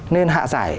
nên hạ giải